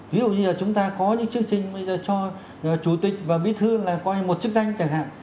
ví dụ như là chúng ta có những chương trình bây giờ cho chủ tịch và bí thư là coi một chức danh chẳng hạn